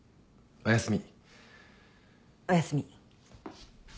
おやすみ。